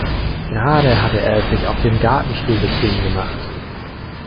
Gerade hatte er es sich auf dem Gartenstuhl bequem gemacht.